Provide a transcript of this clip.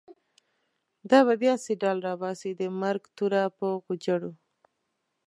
دا به بیا« سیدال» راباسی، د مرگ توره په غوجرو